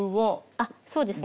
あっそうですね。